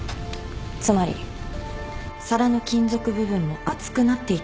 つまり皿の金属部分も熱くなっていたはずなんです。